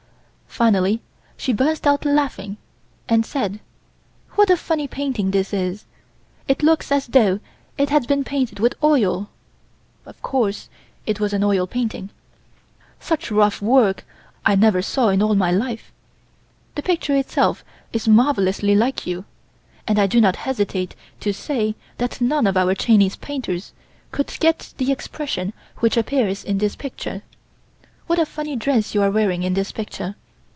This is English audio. Finally she burst out laughing and said: "What a funny painting this is, it looks as though it had been painted with oil." (Of course it was an oil painting.) "Such rough work I never saw in all my life. The picture itself is marvellously like you, and I do not hesitate to say that none of our Chinese painters could get the expression which appears on this picture. What a funny dress you are wearing in this picture.